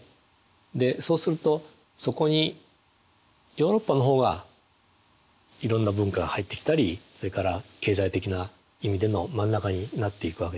でそうするとそこにヨーロッパの方がいろんな文化が入ってきたりそれから経済的な意味での真ん中になっていくわけですよ。